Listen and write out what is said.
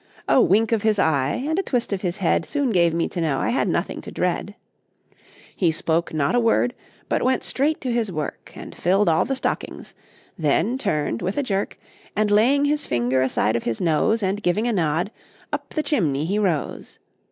A wink of his eye, and a twist of his head, Soon gave me to know I had nothing to dread. He spoke not a word, but went straight to his work, And filled all the stockings; then turned with a jerk, And laying his finger aside of his nose, And giving a nod, up the chimney he rose.